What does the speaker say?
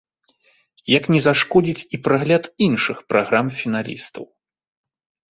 Як не зашкодзіць і прагляд іншых праграм-фіналістаў.